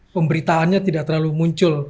pemberitaannya tidak terlalu muncul